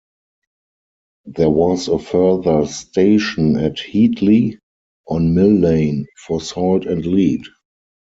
There was a further station at Heatley, on Mill Lane, for salt and lead.